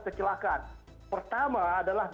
kecelakaan pertama adalah